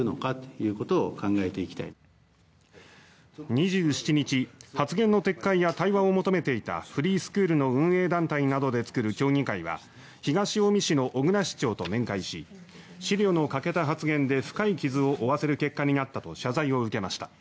２７日、発言の撤回や対話を求めていたフリースクールの運営団体などで作る協議会は東近江市の小椋市長と面会し思慮の欠けた発言で深い傷を負わせる結果になったと謝罪を受けました。